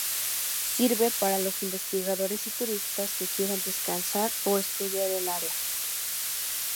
Sirve para los investigadores y turistas que quieran descansar o estudiar el área.